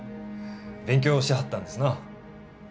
勉強しはったんですな。